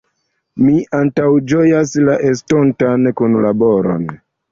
Mi antaŭĝojas la estontan kunlaboron.